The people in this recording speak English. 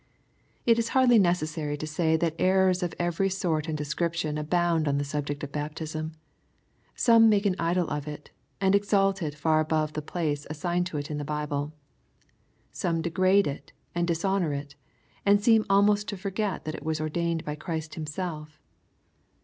It is hardly necessary to say that errors of every sort and description abound on the subject of baptism. Some make an idol of it^ and exalt it far above the place assigned to it in the Bible. Some degrade it and dis honor it, and seem almost to forget that it was ordained by Christ Himself.